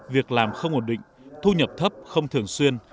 việc làm không ổn định thu nhập thấp không thường xuyên